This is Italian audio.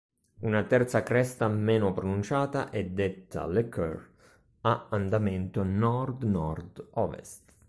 Una terza cresta meno pronunciata e detta "Le Coeur" ha andamento nord-nord-ovest.